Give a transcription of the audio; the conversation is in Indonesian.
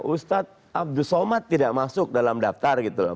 ustadz abdus somad tidak masuk dalam daftar gitu loh